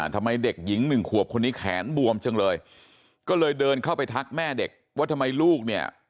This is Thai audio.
ทำไมเด็กหญิงหนึ่งขวบคนนี้แขนบวมจังเลยก็เลยเดินเข้าไปทักแม่เด็กว่าทำไมลูกเนี่ย